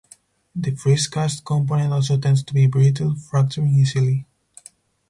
The freeze-cast component also tends to be brittle, fracturing easily.